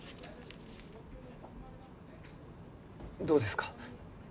どうですか？